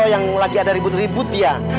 yang lagi ada ribut ribut dia